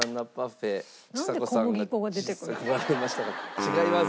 違います。